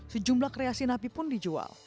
sejumlah kreasi nabi pun dijual